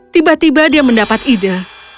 tiba tiba dia mendapat ide